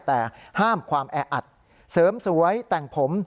แต่ห้ามความแออัดเสริมสวยแต่งผม